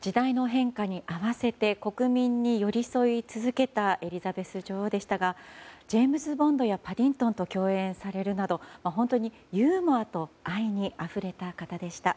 時代の変化に合わせて国民に寄り添い続けたエリザベス女王でしたがジェームズ・ボンドやパディントンと共演されるなど本当にユーモアと愛にあふれた方でした。